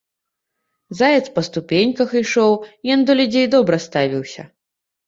Заяц па ступеньках ішоў, ён да людзей добра ставіўся.